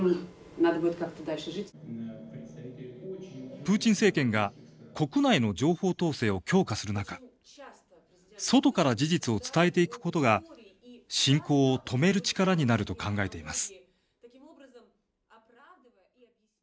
プーチン政権が国内の情報統制を強化する中外から事実を伝えていくことが侵攻を止める力になると考えています。